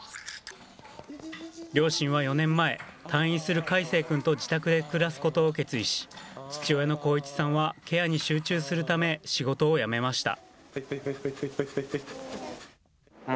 両親は４年前退院する海成くんと自宅で暮らすことを決意し父親の幸一さんはケアに集中するため仕事を辞めました。